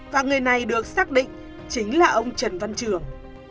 và người này được xác định chính là ông trần văn trường